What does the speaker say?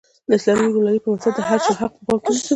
د اسلامي ورورولۍ پر بنسټ د هر چا حق په پام کې ونیسو.